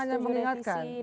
saya hanya mengingatkan